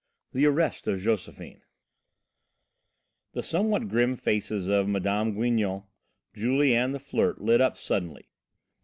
XX THE ARREST OF JOSEPHINE The somewhat grim faces of Mme. Guinon, Julie and the Flirt lit up suddenly.